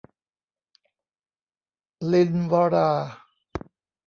ลิลวรา